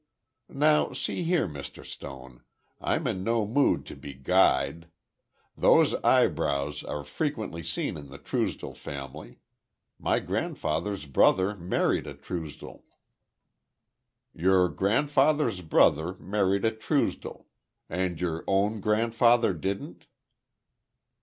"Now, see here, Mr. Stone, I'm in no mood to be guyed. Those eyebrows are frequently seen in the Truesdell family. My grandfather's brother married a Truesdell." "Your grandfather's brother married a Truesdell. And your own grandfather didn't?"